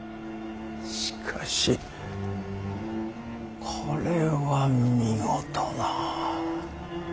しかしこれは見事な。